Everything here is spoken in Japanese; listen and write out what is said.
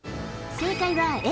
正解はＡ。